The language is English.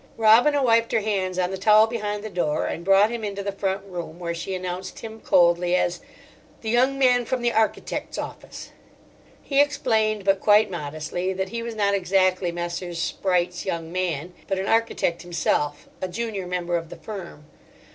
Robina wiped her hands on the towel behind the door, and brought him into the front room, where she announced him, coldly, as "The young man from the architect's office." He explained—but quite modestly—that he was not exactly Messrs. Spreight's young man, but an architect himself, a junior member of the firm.